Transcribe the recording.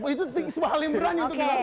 itu kan paling berani untuk dilakukan